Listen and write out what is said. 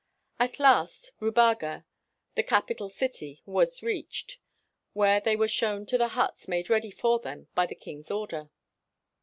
At last Rubaga, the capital city, was reached, where they were shown to the huts made ready for them by the king's order.